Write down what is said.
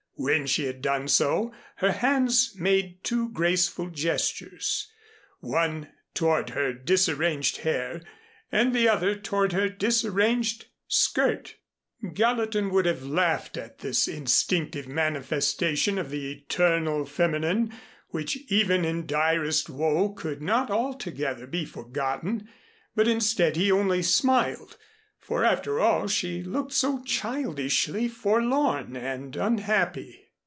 When she had done so, her hands made two graceful gestures one toward her disarranged hair and the other toward her disarranged skirt. Gallatin would have laughed at this instinctive manifestation of the eternal feminine, which even in direst woe could not altogether be forgotten, but instead he only smiled, for after all she looked so childishly forlorn and unhappy.